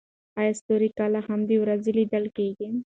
ایا ستوري کله هم د ورځې لیدل کیږي؟